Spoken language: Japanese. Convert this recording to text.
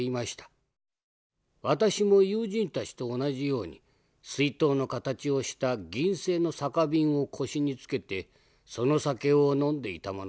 私も友人たちと同じように水筒の形をした銀製の酒瓶を腰につけてその酒を飲んでいたものです。